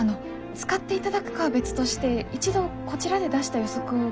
使っていただくかは別として一度こちらで出した予測を聞いてもらえませんか？